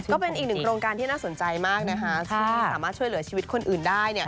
ก็เป็นอีกหนึ่งโครงการที่น่าสนใจมากนะคะที่สามารถช่วยเหลือชีวิตคนอื่นได้